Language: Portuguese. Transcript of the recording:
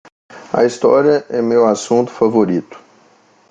A história é meu assunto favorito.